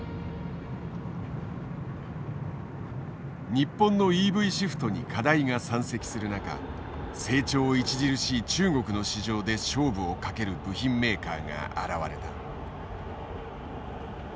日本のＥＶシフトに課題が山積する中成長著しい中国の市場で勝負をかける部品メーカーが現れた。